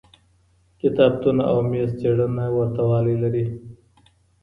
کتابتون او میز څېړنه ورته والی لري.